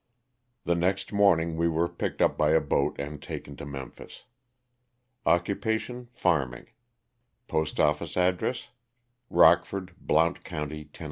The next morning we were picked up by a boat and taken to Memphis. Occupation, farming. Postoffice address, Rockford, Blount county, Tenn.